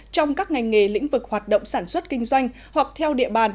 trong các ngành nghề lĩnh vực hoạt động sản xuất kinh doanh hoặc theo địa bàn